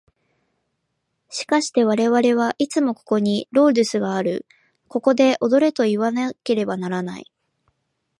しかして我々はいつもここにロードゥスがある、ここで踊れといわなければならない。